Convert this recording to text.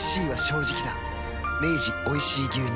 明治おいしい牛乳